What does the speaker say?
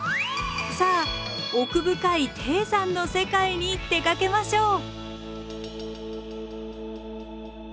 さあ奥深い低山の世界に出かけましょう。